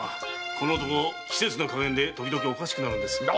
この男季節の加減でときどきおかしくなるんです。